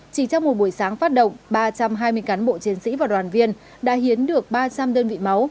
chỉ trong một buổi sáng phát động ba trăm hai mươi cán bộ chiến sĩ và đoàn viên đã hiến được ba trăm linh đơn vị máu